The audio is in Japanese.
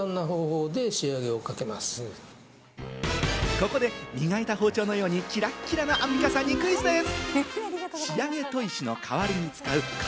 ここで磨いた包丁のようにキラキラなアンミカさんにクイズです。